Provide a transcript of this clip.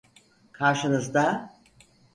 Karşınızda…